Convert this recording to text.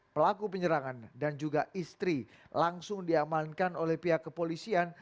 pelaku penyerangan dan juga istri langsung diamankan oleh pihak kepolisian